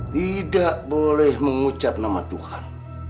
tidak boleh mengucap nama tuhan